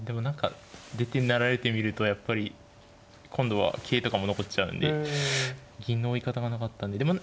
何か出て成られてみるとやっぱり今度は桂とかも残っちゃうんで銀の追い方がなかったんで。